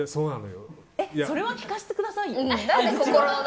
それは聞かせてくださいよ。